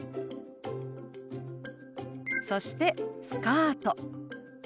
そして「スカート」。